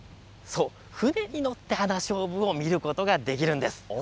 舟に乗ってハナショウブを見ることができるんです。